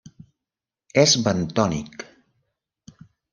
És bentònic.